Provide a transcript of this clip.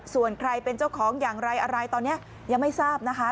ส่วนใครเป็นเจ้าของอย่างไรอะไรตอนนี้ยังไม่ทราบนะคะ